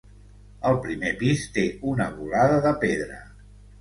El primer pis té una volada de pedra.